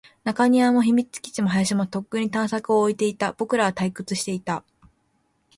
中庭も、秘密基地も、林も、とっくに探索を終えていた。僕らは退屈していた。